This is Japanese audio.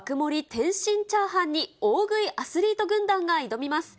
天津チャーハンに大食いアスリート軍団が挑みます。